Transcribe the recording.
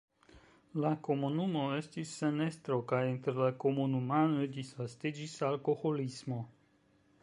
La komunumo estis sen estro kaj inter la komunumanoj disvastiĝis alkoholismo.